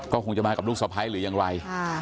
ก็คงจะมากับลูกสวัสดิ์หรือยังไง